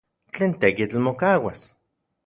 ¿Tlen tekitl mokauas?